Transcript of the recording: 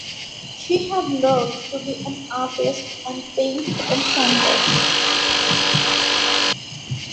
She had learned to be an artist and paint but on canvas.